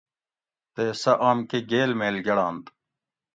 تے سہ آم کہۤ گیل میل گڑۤنت